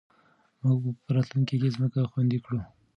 موږ به راتلونکې کې ځمکه خوندي کړو.